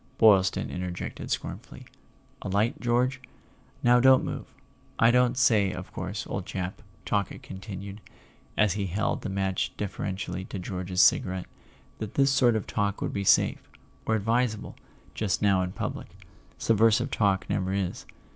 Boylston interjected scornfully.) "A light, George ? Now don't move!—I don't say, of course, old chap," Talkett continued, as he held the match deferentially to George's cigarette, "that this sort of talk would be safe—or advisable—just now in public; subversive talk never is.